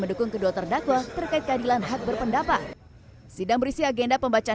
mendukung kedua terdakwa terkait keadilan hak berpendapat sidang berisi agenda pembacaan